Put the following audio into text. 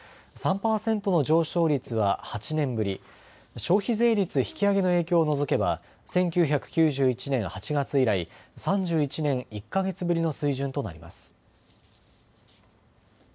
３％の上昇率は８年ぶり、消費税率引き上げの影響を除けば１９９１年８月以来、３１年１か月ぶりの水準となります。